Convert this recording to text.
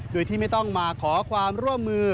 โดยที่ไม่ต้องมาขอความร่วมมือ